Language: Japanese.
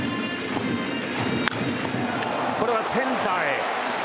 これはセンターへ。